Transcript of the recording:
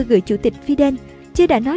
gửi chủ tịch fidel che đã nói